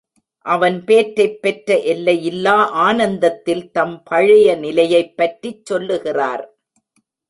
அவன் பேற்றைப் பெற்ற எல்லையில்லா ஆனந்தத்தில் தம் பழைய நிலையைப் பற்றிச் சொல்லுகிறார்.